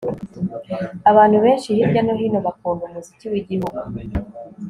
Abantu benshi hirya no hino bakunda umuziki wigihugu